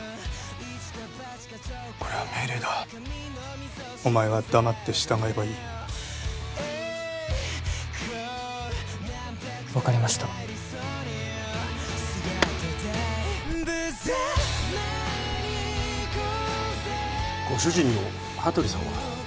これは命令だお前は黙って従えばいい分かりましたご主人の羽鳥さんは？